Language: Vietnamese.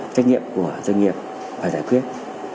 cách nhiệm của doanh nghiệp phải giải quyết